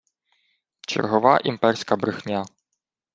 Чергова імперська брехня